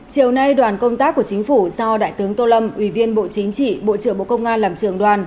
chiều nay đoàn công tác của chính phủ do đại tướng tô lâm ủy viên bộ chính trị bộ trưởng bộ công an làm trường đoàn